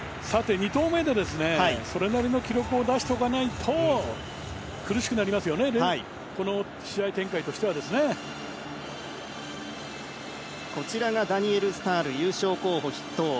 ２投目でそれなりの記録を出しておかないと苦しくなりますよ、この試合展開としては。こちらがダニエル・スタール優勝候補筆頭。